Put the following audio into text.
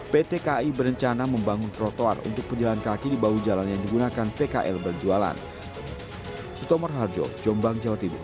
pt kai berencana membangun trotoar untuk pejalan kaki di bahu jalan yang digunakan pkl berjualan